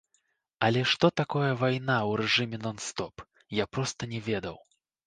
Але што такое вайна ў рэжыме нон-стоп, я проста не ведаў.